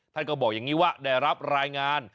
ท่านก็บอกอย่างนี้ว่าได้รับรายงาน